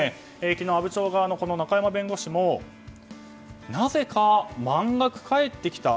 昨日、阿武町側の中山弁護士もなぜか満額返ってきた。